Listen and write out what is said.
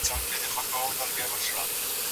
موږ به د پیغمبر احادیث تعقیب کړو.